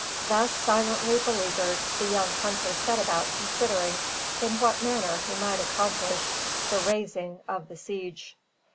Thus silently beleaguered, the young hunter set about considering in what manner he might accomplish the raising of the siege.